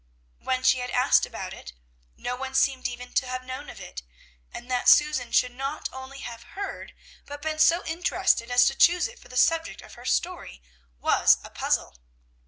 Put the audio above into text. When she had asked about it, no one seemed even to have known of it, and that Susan should not only have heard, but been so interested as to choose it for the subject of her story, was a puzzle!